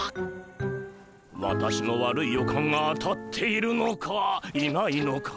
私の悪い予感が当たっているのかいないのか。